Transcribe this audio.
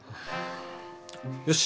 よし。